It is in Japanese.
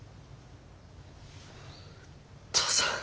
父さん。